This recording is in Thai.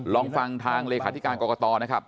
ลองฟังทางเลขาธิการกรกตนะครับ